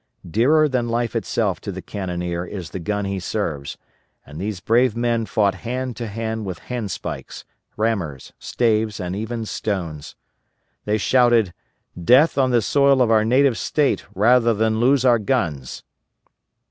Dearer than life itself to the cannoneer is the gun he serves, and these brave men fought hand to hand with handspikes, rammers, staves, and even stones. They shouted, _"Death on the soil of our native State rather than lose our guns."